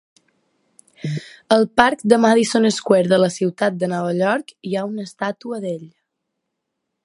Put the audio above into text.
Al parc de Madison Square de la ciutat de Nova York hi ha una estàtua d'ell.